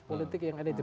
politik yang elitis